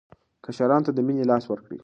کشرانو ته د مینې لاس ورکړئ.